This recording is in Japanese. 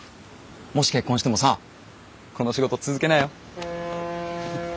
もし結婚してもさこの仕事続けなよ。